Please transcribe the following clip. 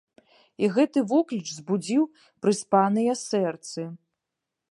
І гэты вокліч збудзіў прыспаныя сэрцы.